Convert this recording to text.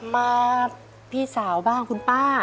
มาพี่สาวบ้างคุณป้า